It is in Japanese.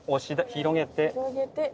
広げて。